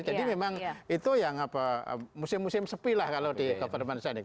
memang itu yang musim musim sepi lah kalau di government seni